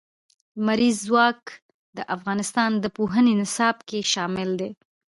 لمریز ځواک د افغانستان د پوهنې نصاب کې شامل دي.